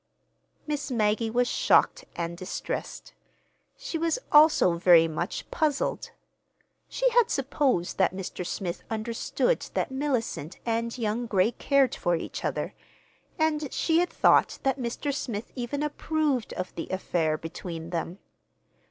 Miss Maggie was shocked and distressed. She was also very much puzzled. She had supposed that Mr. Smith understood that Mellicent and young Gray cared for each other, and she had thought that Mr. Smith even approved of the affair between them.